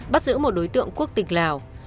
bắt giữ một đối tượng quốc tịch lào